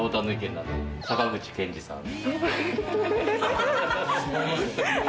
坂口憲二さん。